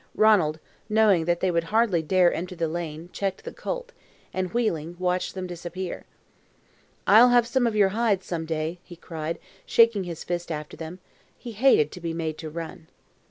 Ranald, knowing that they would hardly dare enter the lane, checked the colt, and wheeling, watched them disappear. "I'll have some of your hides some day," he cried, shaking his fist after them. He hated to be made to run.